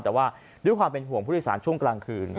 แต่ว่าด้วยความเป็นห่วงผู้โดยสารช่วงกลางคืน